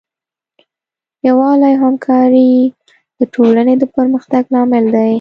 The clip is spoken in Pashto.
یووالی او همکاري د ټولنې د پرمختګ لامل دی.